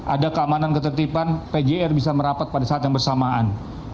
ada keamanan ketertiban pjr bisa merapat pada saat yang bersamaan